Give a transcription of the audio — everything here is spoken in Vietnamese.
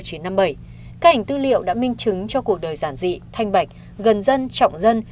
các ảnh tư liệu đã minh chứng cho cuộc đời giản dị thanh bạch gần dân trọng dân